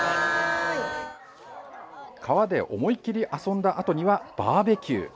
川で思いっきり遊んだあとにはバーベキュー！